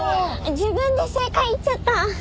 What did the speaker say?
自分で正解言っちゃった。